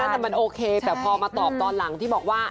แต่มันโอเคแต่พอมาตอบตอนหลังที่บอกว่า